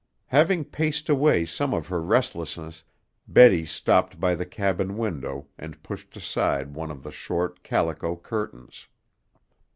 Having paced away some of her restlessness, Betty stopped by the cabin window and pushed aside one of the short, calico curtains.